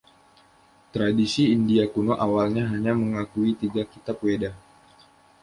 Tradisi India kuno awalnya hanya mengakui tiga kitab Weda.